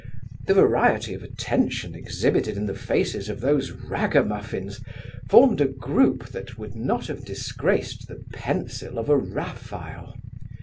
The variety of attention exhibited in the faces of those ragamuffins, formed a groupe that would not have disgraced the pencil of a Raphael.